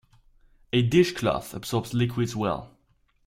A dish cloth absorbs liquids well.